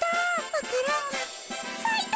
わか蘭がさいた！